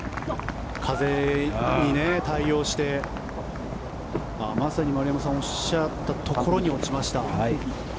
風に対応してまさに丸山さんがおっしゃったところに落ちました。